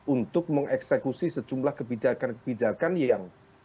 untuk mengeksekusi sejumlah kebijakan kebijakan yang